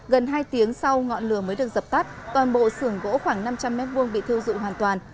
gần hai tiếng sau ngọn lửa mới được dập tắt toàn bộ xưởng gỗ khoảng năm trăm linh m hai bị thiêu dụi hoàn toàn